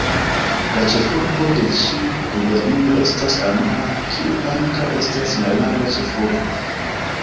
La ĉefurbo de ĉi gubernio estas Amano, kiu ankaŭ estas la landa ĉefurbo.